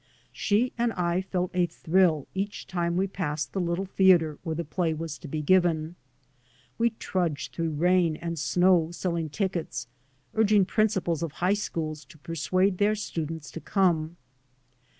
She and I felt a thrill each time we passed the little theatre where the play was to be g^ven. We trudged through rain and snow selling tickets, urging principals of high schools to persuade their students to come.